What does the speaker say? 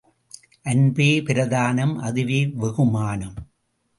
அன்பே பிரதானம் அதுவே வெகுமானம்.